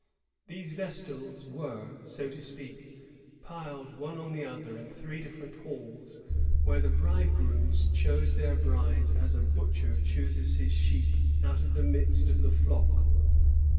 These vestals were, so to speak, piled one on the other in three different halls, where the bridegrooms chose their brides as a butcher chooses his sheep out of the midst of the flock.